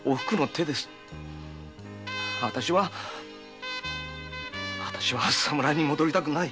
私は私は侍に戻りたくない。